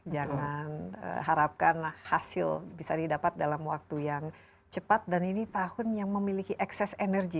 jangan harapkan hasil bisa didapat dalam waktu yang cepat dan ini tahun yang memiliki ekses energi